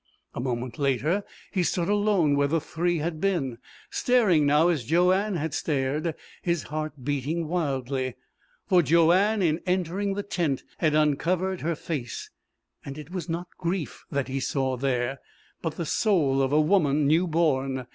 A moment later he stood alone where the three had been, staring now as Joanne had stared, his heart beating wildly. For Joanne, in entering the tent, had uncovered her face; it was not grief that he saw there, but the soul of a woman new born.